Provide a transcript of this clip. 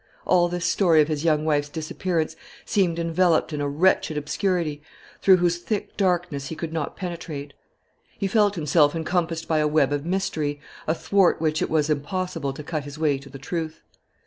All this story of his young wife's disappearance seemed enveloped in a wretched obscurity, through whose thick darkness he could not penetrate. He felt himself encompassed by a web of mystery, athwart which it was impossible to cut his way to the truth.